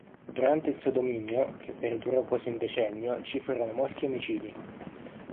Durante il suo dominio, che perdurò quasi un decennio, ci furono molti omicidi.